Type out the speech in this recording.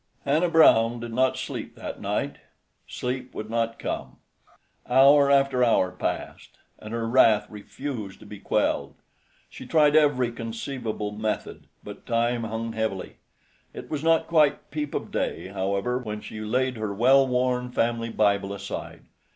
V Hannah Brown did not sleep that night. Sleep would not come. Hour after hour passed, and her wrath refused to be quelled. She tried every conceivable method, but time hung heavily. It was not quite peep of day, however, when she laid her well worn family Bible aside.